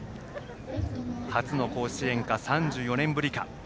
初の甲子園か、３４年ぶりか。